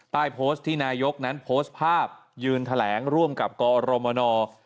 ใต้โพสต์ที่นายกนั้นโพสต์ภาพยืนแถลงร่วมกับกอรมน